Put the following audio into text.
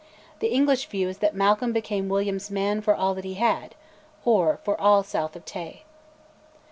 The English view is that Malcolm became William's "man for all that he had" or for all south of Tay.